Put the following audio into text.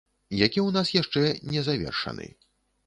Які ў нас яшчэ не завершаны.